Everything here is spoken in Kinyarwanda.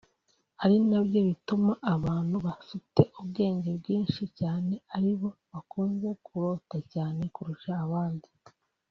ari nabyo bituma abantu bafite ubwenge bwinshi cyane ari bo bakunze kurota cyane kuruta abandi